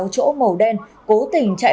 một mươi sáu chỗ màu đen cố tình chạy